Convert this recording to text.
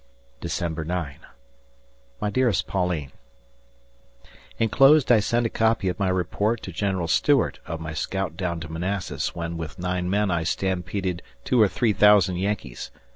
December 9. My dearest Pauline: Enclosed I send a copy of my report to General Stuart of my scout down to Manassas when with nine men I stampeded two or three thousand Yankees.